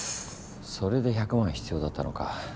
それで１００万必要だったのか。